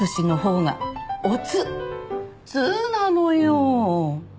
通なのよ。